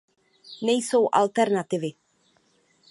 Nejsou alternativy.